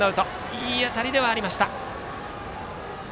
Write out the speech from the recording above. いい当たりではありました。